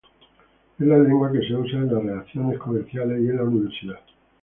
Es la lengua que se usa en las relaciones comerciales y en la Universidad.